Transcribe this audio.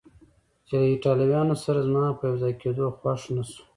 چې له ایټالویانو سره زما په یو ځای کېدو خوښه نه شوه.